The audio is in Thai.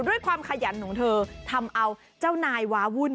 ด้วยความขยันของเธอทำเอาเจ้านายวาวุ่น